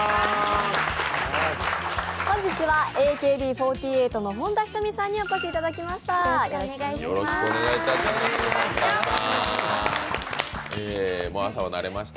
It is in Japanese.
本日はＡＫＢ４８の本田仁美さんにお越しいただきました。